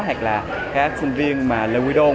hoặc là các sinh viên mà lưu ý đồn